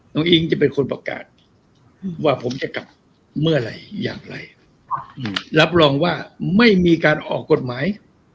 อิ๊งจะเป็นคนประกาศว่าผมจะกลับเมื่อไหร่อย่างไรรับรองว่าไม่มีการออกกฎหมาย